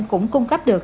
cũng cung cấp được